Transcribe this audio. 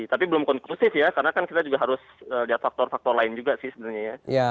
tapi belum konklusif ya karena kan kita juga harus lihat faktor faktor lain juga sih sebenarnya ya